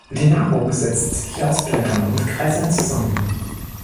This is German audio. Die Nahrung setzt sich aus Blättern und Gräsern zusammen.